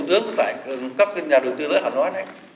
họ đăng ký tới các thủ tướng các nhà đầu tư lớn họ nói này